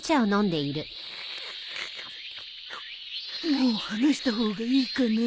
もう話した方がいいかな？